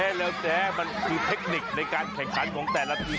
แล้วเจ๊มันคือเทคนิคในการแข่งขันของแต่ละทีม